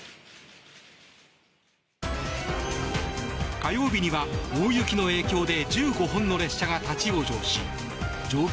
火曜日には大雪の影響で１５本の列車が立ち往生し乗客